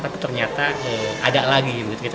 tapi ternyata ada lagi